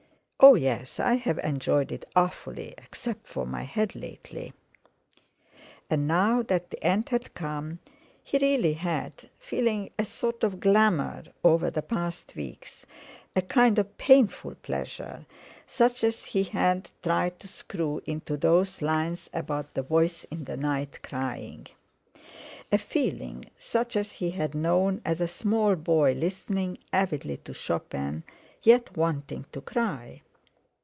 "Oh! yes, I've enjoyed it awfully except for my head lately." And now that the end had come, he really had, feeling a sort of glamour over the past weeks—a kind of painful pleasure, such as he had tried to screw into those lines about the voice in the night crying; a feeling such as he had known as a small boy listening avidly to Chopin, yet wanting to cry.